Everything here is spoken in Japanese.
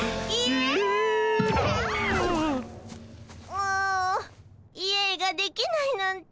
ううイエイができないなんて。